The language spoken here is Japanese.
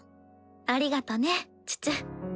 ありがとねチュチュ。